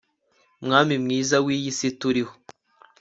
mwami mwiza w'iyi si turiho